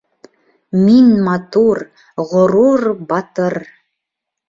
Мин матур, ғорур, батыр!